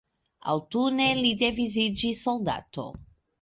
Aŭtune li devis iĝi soldato.